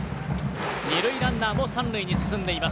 二塁ランナーも三塁に進んでいます。